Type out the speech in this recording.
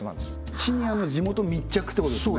シニアの地元密着ってことですね